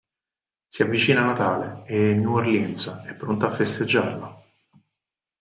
Si avvicina Natale e New Orleans è pronta a festeggiarlo.